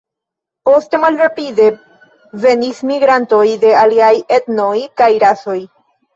Poste malrapide venis migrantoj de aliaj etnoj kaj rasoj.